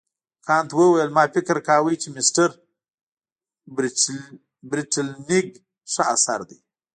کانت وویل ما فکر کاوه چې مسټر برېټلنیګ ښه اثر دی.